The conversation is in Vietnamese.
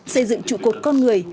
xây dựng trụ cột con người